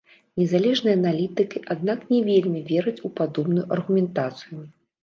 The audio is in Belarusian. Незалежныя аналітыкі, аднак, не вельмі вераць у падобную аргументацыю.